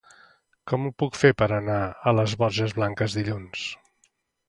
Com ho puc fer per anar a les Borges Blanques dilluns?